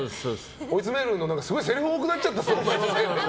追い詰めるのにせりふ多くなっちゃったぞって。